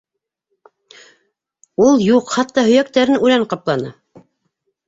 Ул юҡ, хатта һөйәктәрен үлән ҡапланы.